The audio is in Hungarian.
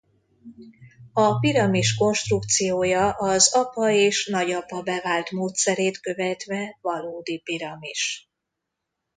A piramis konstrukciója az apa és nagyapa bevált módszerét követve valódi piramis.